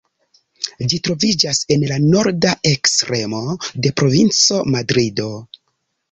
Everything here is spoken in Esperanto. Ĝi troviĝas en la norda ekstremo de la provinco Madrido.